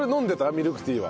ミルクティーは。